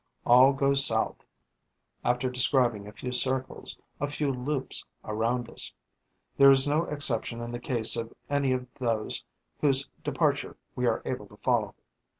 All go south, after describing a few circles, a few loops, around us. There is no exception in the case of any of those whose departure we are able to follow.